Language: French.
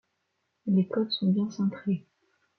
Les côtes sont bien cintrées.